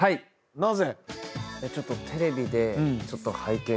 なぜ？